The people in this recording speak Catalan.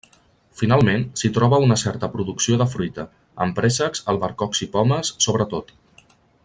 Finalment, s'hi troba una certa producció de fruita, amb préssecs, albercocs i pomes, sobretot.